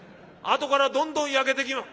あとからどんどん焼けてき」。